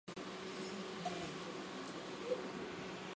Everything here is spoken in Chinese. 其触须和其他步足则都是白色的。